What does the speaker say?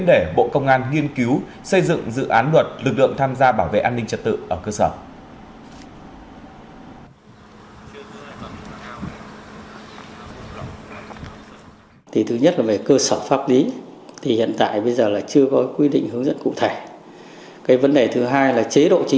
để bộ công an nghiên cứu xây dựng dự án luật lực lượng tham gia bảo vệ an ninh trật tự ở cơ sở